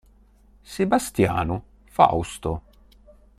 Sebastiano Fausto